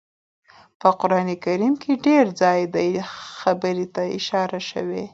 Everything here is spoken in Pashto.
په قران کريم کي ډير ځايه دې خبرې ته اشاره شوي